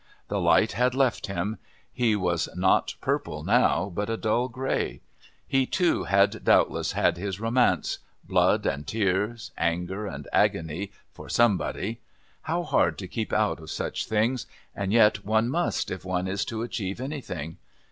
The light had left him. He was not purple now but a dull grey. He, too, had doubtless had his romance, blood and tears, anger and agony for somebody. How hard to keep out of such things, and yet one must if one is to achieve anything.